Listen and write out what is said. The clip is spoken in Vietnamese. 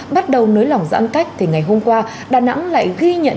bắt đầu nới lỏng giãn cách thì ngày hôm qua đà nẵng lại ghi nhận